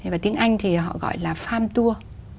và tiếng anh thì họ gọi là farm tour